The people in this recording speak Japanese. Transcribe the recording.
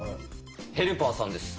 ヘルパーさんです。